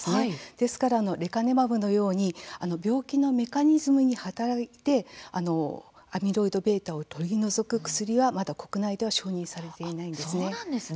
ですからレカネマブのように病気のメカニズムに働いてアミロイドβを取り除く薬はまだ国内では承認されていないんです。